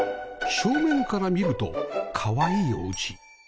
正面から見るとかわいいお家